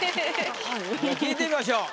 聞いてみましょう。